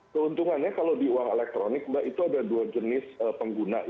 keuntungannya kalau di uang elektronik mbak itu ada dua jenis pengguna